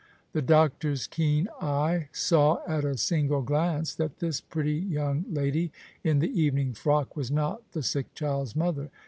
The doctor's keen eye saw at a single gknce that this pretty young lady in the evening frock was not the sick child's mother.